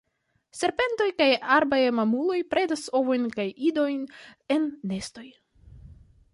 Serpentoj kaj arbaj mamuloj predas ovojn kaj idojn en nestoj.